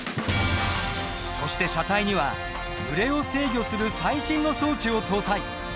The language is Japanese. そして車体には揺れを制御する最新の装置を搭載。